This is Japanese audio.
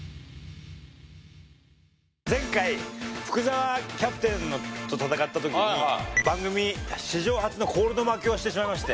前回福澤キャプテンと戦った時に番組史上初のコールド負けをしてしまいまして。